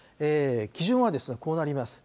基準はこうなります。